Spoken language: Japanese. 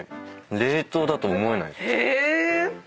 冷凍だと思えない。